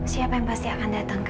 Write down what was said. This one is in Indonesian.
siapa yang pasti akan datang